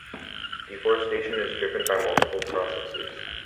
Deforestation is driven by multiple processes.